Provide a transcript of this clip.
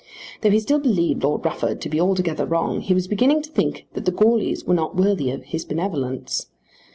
Though he still believed Lord Rufford to be altogether wrong, he was beginning to think that the Goarlys were not worthy his benevolence.